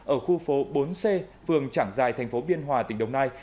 ở khu phố bốn c phường trảng giài thành phố biên hòa tỉnh đồng nai